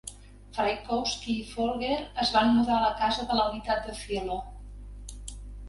Frykowski i Folger es van mudar a la casa de la unitat de Cielo.